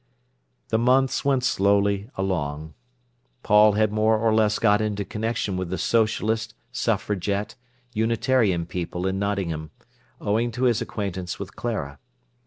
The months went slowly along. Paul had more or less got into connection with the Socialist, Suffragette, Unitarian people in Nottingham, owing to his acquaintance with Clara.